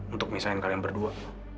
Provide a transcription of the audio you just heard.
untuk misahin kalian berdua